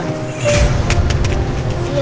ini tante uangnya